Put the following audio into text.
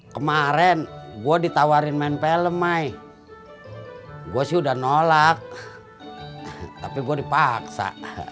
kemarin gua ditawarin main film my gua sudah nolak tapi gua dipaksa